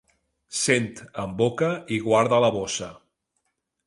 Cent en boca i guarda la bossa.